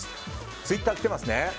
ツイッター来てますね。